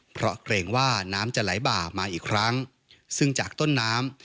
เพราะเกรงว่าน้ำจะไหลบ่ามาอีกครั้งซึ่งจากต้นน้ำ